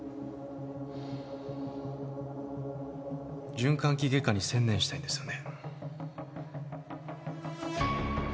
循環器外科に専念したいんですよね？